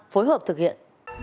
phối hợp thực hiện